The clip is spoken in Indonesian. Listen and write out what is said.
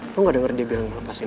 lu gak denger dia bilang lepasin lu